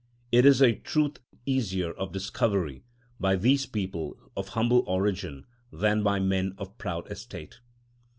It is a truth easier of discovery by these people of humble origin than by men of proud estate.